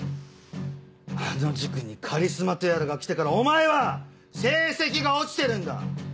あの塾にカリスマとやらが来てからお前は成績が落ちてるんだ！